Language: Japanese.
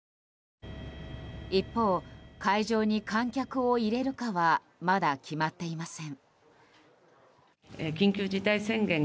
一方、会場に観客を入れるかはまだ決まっていません。